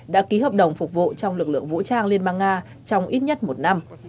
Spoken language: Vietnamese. đã ký hợp đồng phục vụ trong lực lượng vũ trang liên bang nga trong ít nhất một năm